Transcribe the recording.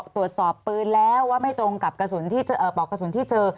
ตรวจสอบปืนแล้วว่าไม่ตรงกับกระสุนปลอกกระสุนที่เจอ